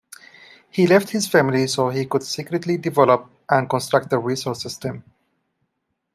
He left his family so he could secretly develop and construct the Rescue System.